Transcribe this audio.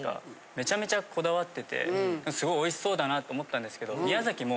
めちゃめちゃこだわっててすごいおいしそうだなと思ったんですけど。